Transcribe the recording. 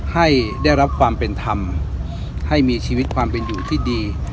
ให้ได้รับความเป็นธรรมให้มีชีวิตความเป็นอยู่ที่ดี